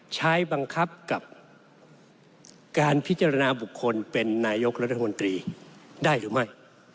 ใช้บังคับกับการพิจารณาบุคคลเป็นนายกรัฐมนตรีได้หรือไม่